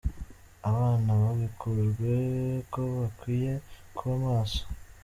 Abana bibukijwe ko bakwiye kuba maso.